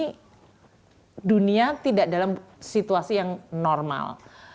karena dunia tidak dalam situasi yang normal